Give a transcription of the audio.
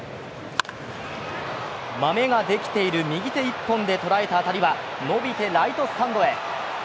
マメができている右手一本で捉えた当たりは、伸びてライトスタンドへ。